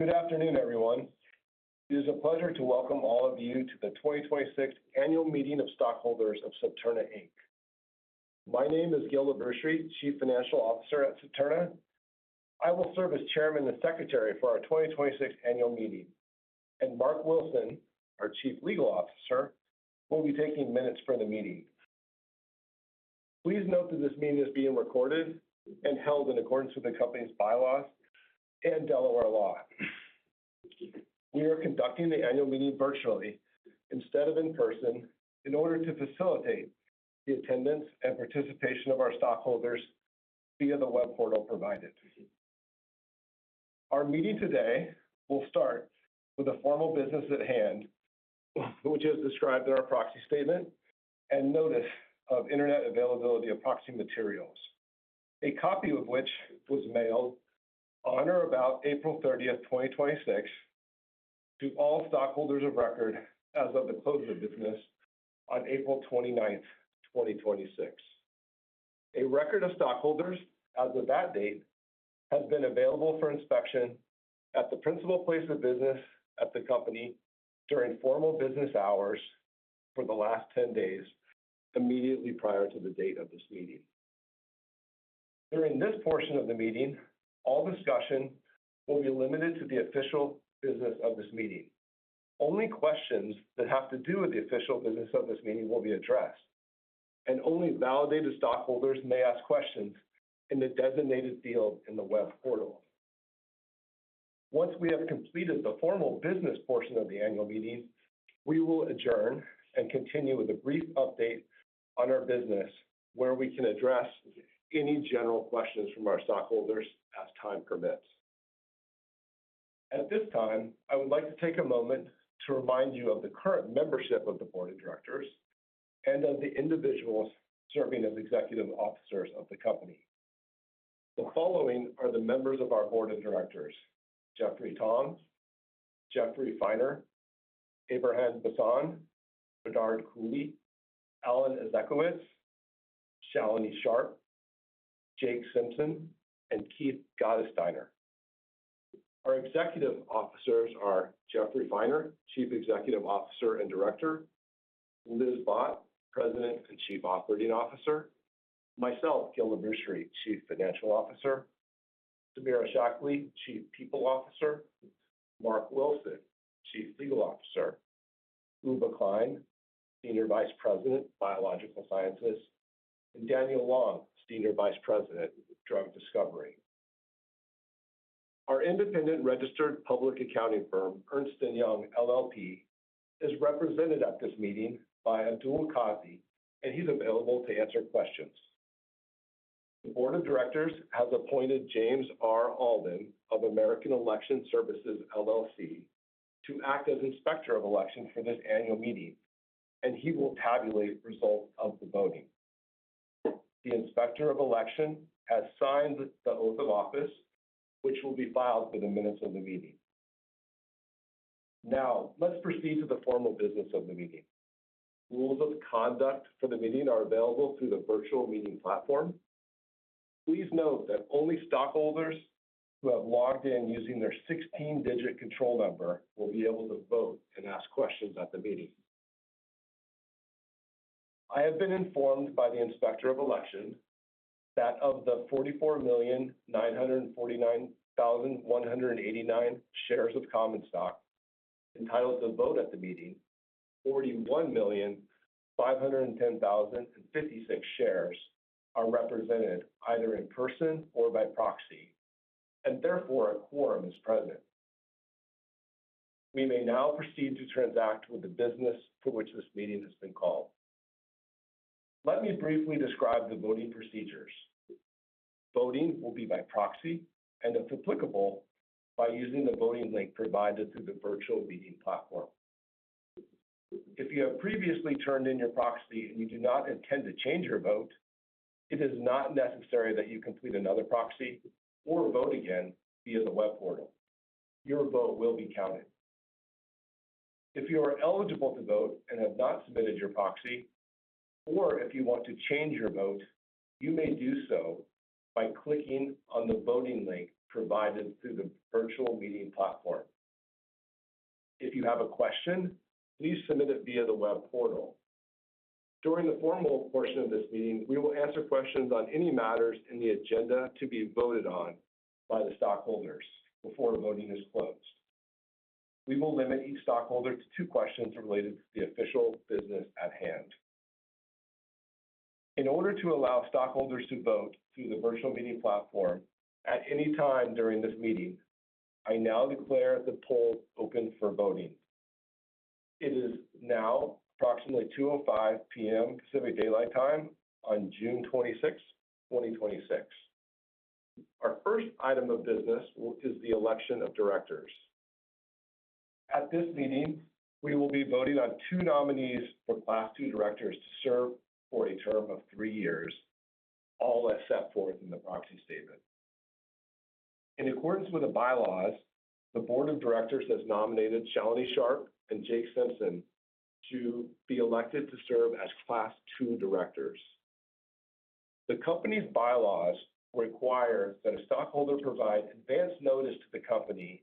Good afternoon, everyone. It is a pleasure to welcome all of you to the 2026 Annual Meeting of Stockholders of Septerna, Inc. My name is Gil Labrucherie, Chief Financial Officer at Septerna. I will serve as chairman and secretary for our 2026 annual meeting, and Mark Wilson, our chief legal officer, will be taking minutes for the meeting. Please note that this meeting is being recorded and held in accordance with the company's bylaws and Delaware law. We are conducting the annual meeting virtually instead of in person, in order to facilitate the attendance and participation of our stockholders via the web portal provided. Our meeting today will start with the formal business at hand, which is described in our proxy statement and notice of internet availability of proxy materials, a copy of which was mailed on or about April 30th, 2026, to all stockholders of record as of the close of business on April 29th, 2026. A record of stockholders as of that date has been available for inspection at the principal place of business at the company during formal business hours for the last 10 days immediately prior to the date of this meeting. During this portion of the meeting, all discussion will be limited to the official business of this meeting. Only questions that have to do with the official business of this meeting will be addressed, and only validated stockholders may ask questions in the designated field in the web portal. Once we have completed the formal business portion of the annual meeting, we will adjourn and continue with a brief update on our business, where we can address any general questions from our stockholders as time permits. At this time, I would like to take a moment to remind you of the current membership of the board of directors and of the individuals serving as executive officers of the company. The following are the members of our board of directors: Jeffrey Tong, Jeffrey Finer, Abraham Bassan, Bernard Coulie, Alan Ezekowitz, Shalini Sharp, Jake Simson, and Keith Gottesdiener. Our executive officers are Jeffrey Finer, Chief Executive Officer and Director, Liz Bhatt, President and Chief Operating Officer, myself, Gil Labrucherie, Chief Financial Officer, Samira Shaikhly, Chief People Officer, Mark Wilson, Chief Legal Officer, Uwe Klein, Senior Vice President, Biological Sciences, and Daniel Long, Senior Vice President, Drug Discovery. Our independent registered public accounting firm, Ernst & Young LLP, is represented at this meeting by Abdul Kazi, and he's available to answer questions. The board of directors has appointed James R. Alden of American Election Services LLC to act as Inspector of Election for this annual meeting, and he will tabulate results of the voting. The Inspector of Election has signed the oath of office, which will be filed for the minutes of the meeting. Now, let's proceed to the formal business of the meeting. Rules of conduct for the meeting are available through the virtual meeting platform. Please note that only stockholders who have logged in using their 16-digit control number will be able to vote and ask questions at the meeting. I have been informed by the Inspector of Election that of the 44,949,189 shares of common stock entitled to vote at the meeting, 41,510,056 shares are represented either in person or by proxy, and therefore, a quorum is present. We may now proceed to transact with the business for which this meeting has been called. Let me briefly describe the voting procedures. Voting will be by proxy, and if applicable, by using the voting link provided through the virtual meeting platform. If you have previously turned in your proxy and you do not intend to change your vote, it is not necessary that you complete another proxy or vote again via the web portal. Your vote will be counted. If you are eligible to vote and have not submitted your proxy, or if you want to change your vote, you may do so by clicking on the voting link provided through the virtual meeting platform. If you have a question, please submit it via the web portal. During the formal portion of this meeting, we will answer questions on any matters in the agenda to be voted on by the stockholders before the voting is closed. We will limit each stockholder to two questions related to the official business at hand. In order to allow stockholders to vote through the virtual meeting platform at any time during this meeting, I now declare the poll open for voting. It is now approximately 2:05 P.M. Pacific Daylight Time on June 26th, 2026. Our first item of business is the election of directors. At this meeting, we will be voting on two nominees for Class 2 directors to serve for a term of three years, all as set forth in the proxy statement. In accordance with the bylaws, the board of directors has nominated Shalini Sharp and Jake Simson to be elected to serve as Class 2 directors. The company's bylaws require that a stockholder provide advance notice to the company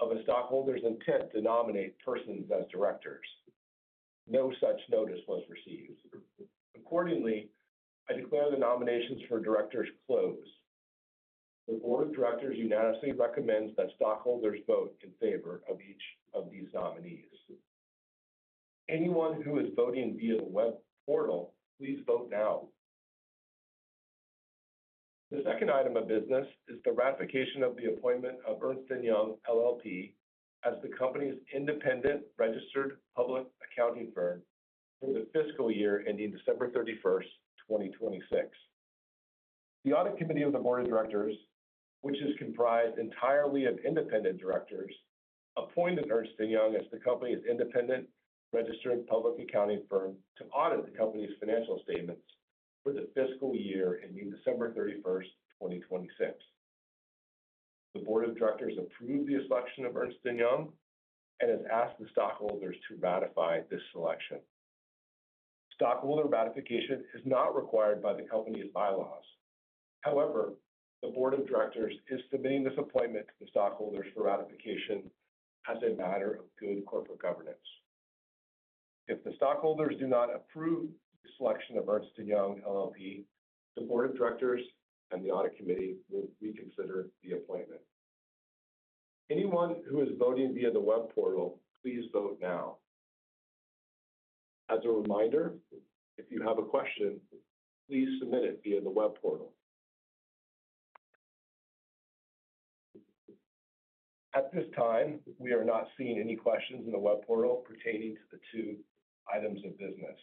of a stockholder's intent to nominate persons as directors. No such notice was received. Accordingly, I declare the nominations for directors closed. The board of directors unanimously recommends that stockholders vote in favor of each of these nominees. Anyone who is voting via the web portal, please vote now. The second item of business is the ratification of the appointment of Ernst & Young LLP as the company's independent registered public accounting firm for the fiscal year ending December 31st, 2026. The audit committee of the board of directors, which is comprised entirely of independent directors, appointed Ernst & Young as the company's independent registered public accounting firm to audit the company's financial statements for the fiscal year ending December 31st, 2026. The board of directors approved the selection of Ernst & Young and has asked the stockholders to ratify this selection. Stockholder ratification is not required by the company's bylaws. However, the board of directors is submitting this appointment to the stockholders for ratification as a matter of good corporate governance. If the stockholders do not approve the selection of Ernst & Young LLP, the board of directors and the audit committee will reconsider the appointment. Anyone who is voting via the web portal, please vote now. As a reminder, if you have a question, please submit it via the web portal. At this time, we are not seeing any questions in the web portal pertaining to the two items of business.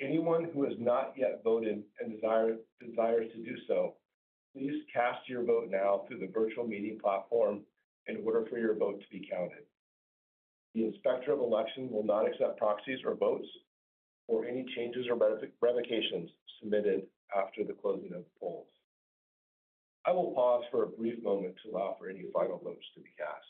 Anyone who has not yet voted and desires to do so, please cast your vote now through the virtual meeting platform in order for your vote to be counted. The Inspector of Election will not accept proxies or votes or any changes or revocations submitted after the closing of the polls. I will pause for a brief moment to allow for any final votes to be cast.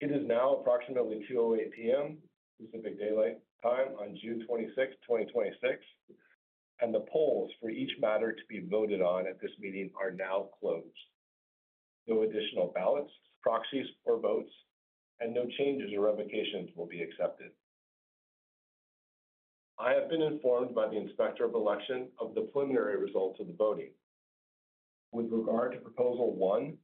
It is now approximately 2:08 P.M. Pacific Daylight Time on June 26th, 2026, and the polls for each matter to be voted on at this meeting are now closed. No additional ballots, proxies or votes, and no changes or revocations will be accepted. I have been informed by the Inspector of Election of the preliminary results of the voting. With regard to proposal one,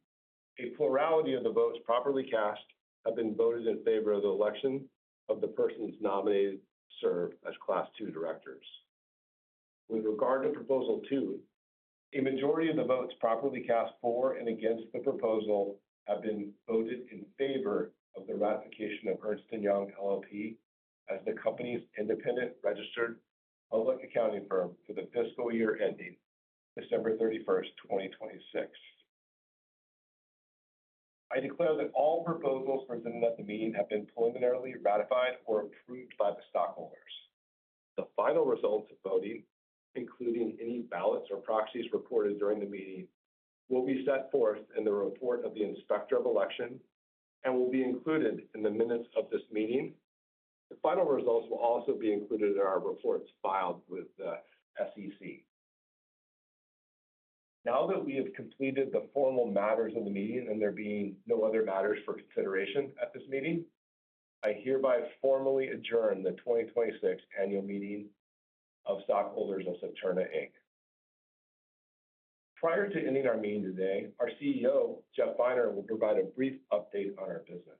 a plurality of the votes properly cast have been voted in favor of the election of the persons nominated to serve as Class II directors. With regard to proposal two, a majority of the votes properly cast for and against the proposal have been voted in favor of the ratification of Ernst & Young LLP as the company's independent registered public accounting firm for the fiscal year ending December 31st, 2026. I declare that all proposals presented at the meeting have been preliminarily ratified or approved by the stockholders. The final results of voting, including any ballots or proxies reported during the meeting, will be set forth in the report of the Inspector of Election and will be included in the minutes of this meeting. The final results will also be included in our reports filed with the SEC. Now that we have completed the formal matters of the meeting and there being no other matters for consideration at this meeting, I hereby formally adjourn the 2026 annual meeting of stockholders of Septerna, Inc. Prior to ending our meeting today, our CEO, Jeff Finer, will provide a brief update on our business.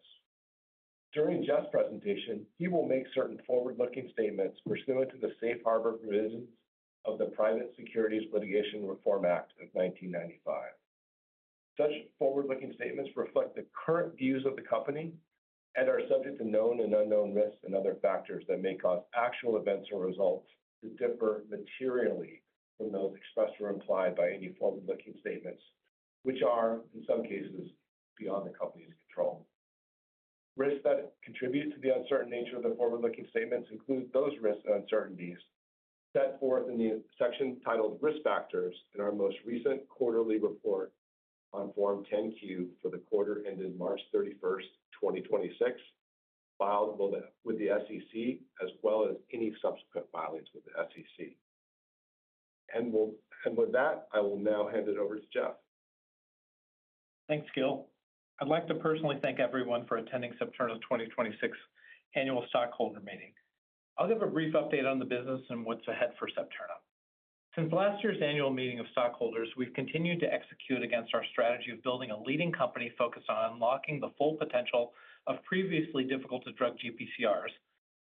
During Jeff's presentation, he will make certain forward-looking statements pursuant to the safe harbor provisions of the Private Securities Litigation Reform Act of 1995. Such forward-looking statements reflect the current views of the company and are subject to known and unknown risks and other factors that may cause actual events or results to differ materially from those expressed or implied by any forward-looking statements, which are, in some cases, beyond the company's control. Risks that contribute to the uncertain nature of the forward-looking statements include those risks and uncertainties set forth in the section titled Risk Factors in our most recent quarterly report on Form 10-Q for the quarter ending March 31st, 2026, filed with the SEC as well as any subsequent filings with the SEC. With that, I will now hand it over to Jeff. Thanks, Gil. I'd like to personally thank everyone for attending Septerna's 2026 Annual Stockholder Meeting. I'll give a brief update on the business and what's ahead for Septerna. Since last year's annual meeting of stockholders, we've continued to execute against our strategy of building a leading company focused on unlocking the full potential of previously difficult to drug GPCRs,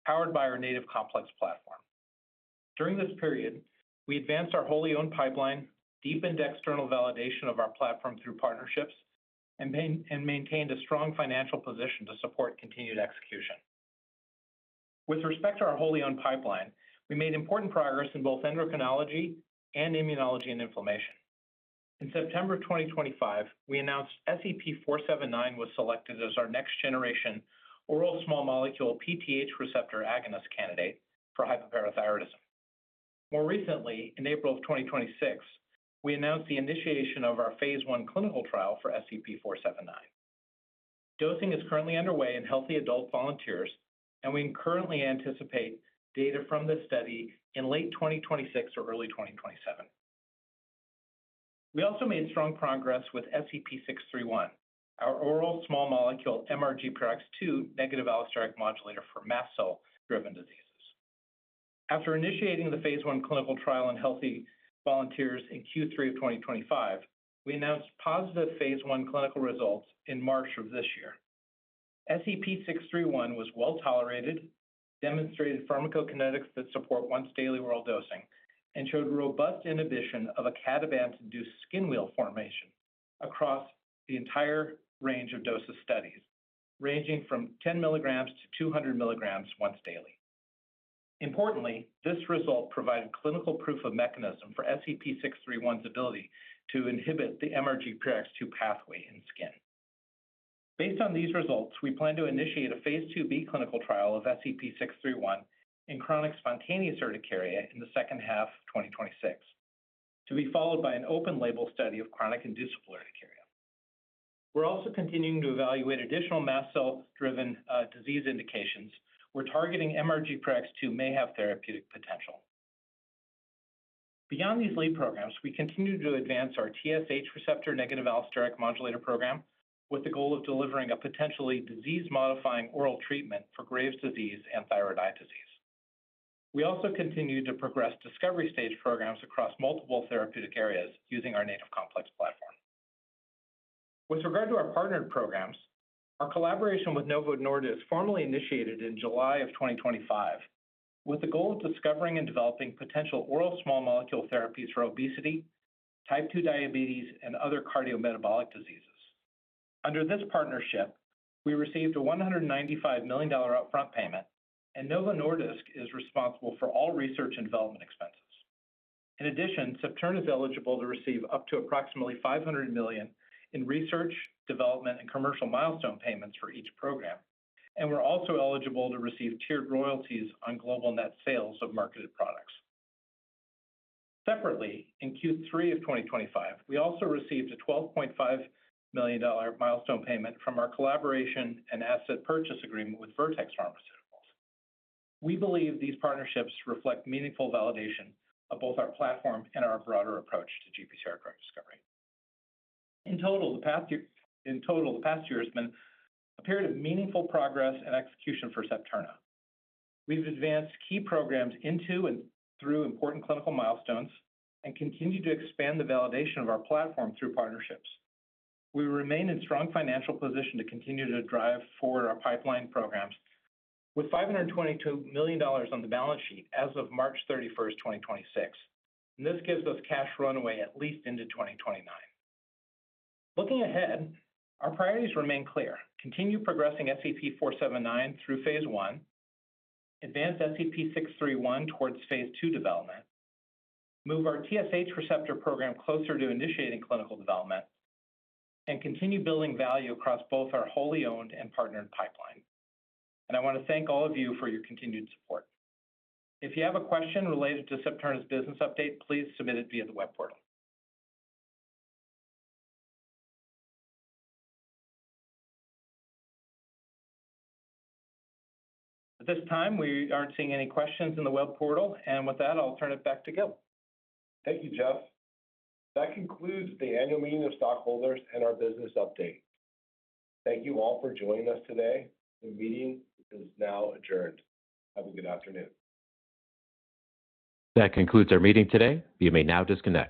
powered by our Native Complex Platform. During this period, we advanced our wholly-owned pipeline, deepened external validation of our platform through partnerships, and maintained a strong financial position to support continued execution. With respect to our wholly-owned pipeline, we made important progress in both endocrinology and immunology and inflammation. In September 2025, we announced SEP-479 was selected as our next generation oral small molecule PTH receptor agonist candidate for hypoparathyroidism. More recently, in April of 2026, we announced the initiation of our Phase I clinical trial for SEP-479. Dosing is currently underway in healthy adult volunteers, and we currently anticipate data from this study in late 2026 or early 2027. We also made strong progress with SEP-631, our oral small molecule MRGPRX2 negative allosteric modulator for mast cell-driven diseases. After initiating the Phase I clinical trial in healthy volunteers in Q3 of 2025, we announced positive Phase I clinical results in March of this year. SEP-631 was well-tolerated, demonstrated pharmacokinetics that support once daily oral dosing, and showed robust inhibition of a codeine-induced skin wheal formation across the entire range of dosage studies, ranging from 10 milligrams to 200 milligrams once daily. Importantly, this result provided clinical proof of mechanism for SEP-631's ability to inhibit the MRGPRX2 pathway in skin. Based on these results, we plan to initiate a Phase 2B clinical trial of SEP-631 in chronic spontaneous urticaria in the second half of 2026, to be followed by an open label study of chronic inducible urticaria. We're also continuing to evaluate additional mast cell-driven disease indications where targeting MRGPRX2 may have therapeutic potential. Beyond these lead programs, we continue to advance our TSH receptor negative allosteric modulator program with the goal of delivering a potentially disease-modifying oral treatment for Graves' disease and thyroid eye disease. We also continue to progress discovery stage programs across multiple therapeutic areas using our Native Complex Platform. With regard to our partnered programs, our collaboration with Novo Nordisk formally initiated in July of 2025 with the goal of discovering and developing potential oral small molecule therapies for obesity, type 2 diabetes, and other cardiometabolic diseases. Under this partnership, we received a $195 million upfront payment, and Novo Nordisk is responsible for all research and development expenses. In addition, Septerna is eligible to receive up to approximately $500 million in research, development, and commercial milestone payments for each program, and we're also eligible to receive tiered royalties on global net sales of marketed products. Separately, in Q3 of 2025, we also received a $12.5 million milestone payment from our collaboration and asset purchase agreement with Vertex Pharmaceuticals. We believe these partnerships reflect meaningful validation of both our platform and our broader approach to GPCR drug discovery. In total, the past year has been a period of meaningful progress and execution for Septerna. We've advanced key programs into and through important clinical milestones and continue to expand the validation of our platform through partnerships. We remain in strong financial position to continue to drive forward our pipeline programs with $522 million on the balance sheet as of March 31st, 2026. This gives us cash runway at least into 2029. Looking ahead, our priorities remain clear. Continue progressing SEP-479 through phase I, advance SEP-631 towards phase II development, move our TSH receptor program closer to initiating clinical development, and continue building value across both our wholly owned and partnered pipeline. I want to thank all of you for your continued support. If you have a question related to Septerna's business update, please submit it via the web portal. At this time, we aren't seeing any questions in the web portal. With that, I'll turn it back to Gil. Thank you, Jeff. That concludes the annual meeting of stockholders and our business update. Thank you all for joining us today. The meeting is now adjourned. Have a good afternoon. That concludes our meeting today. You may now disconnect.